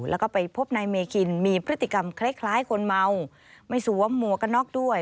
แล้วก็ไปพบนายเมคินมีพฤติกรรมคล้ายคนเมาไม่สวมหมวกกันน็อกด้วย